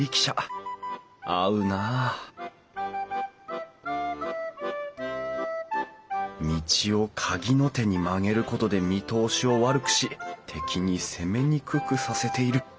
合うな道をかぎの手に曲げることで見通しを悪くし敵に攻めにくくさせている。